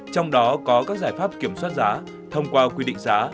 trong đó có các giải pháp kiểm soát giá thông qua quy định giá